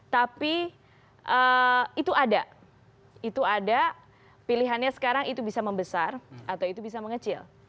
tapi itu ada itu ada pilihannya sekarang itu bisa membesar atau itu bisa mengecil